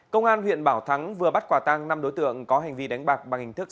công an huyện bảo thắng vừa bắt quả tăng năm đối tượng có hành vi đánh bạc